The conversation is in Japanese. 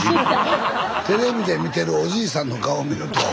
テレビで見てるおじいさんの顔を見るとは。